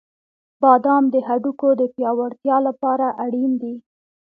• بادام د هډوکو د پیاوړتیا لپاره اړین دي.